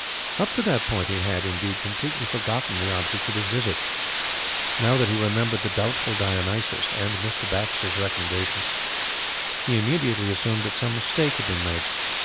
Up to that point, he had, indeed, completely forgotten the object of his visit. Now that he remembered the doubtful Dionysius and Baxter's recommendation he immediately assumed that some mistake had been made.